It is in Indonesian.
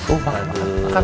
oh makan makan